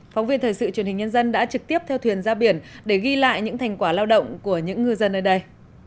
phóng viên thời sự truyền hình nhân dân đã trực tiếp theo thuyền ra biển để ghi lại những thành quả lao động của những ngư dân ở đây